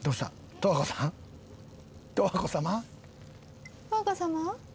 十和子様？